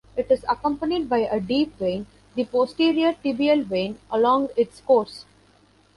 It is accompanied by a deep vein, the posterior tibial vein, along its course.